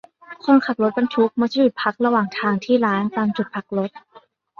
คนขับรถบรรทุกมักจะหยุดพักระหว่างทางที่ร้านตามจุดพักรถ